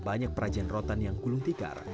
banyak perajin rotan yang gulung tikar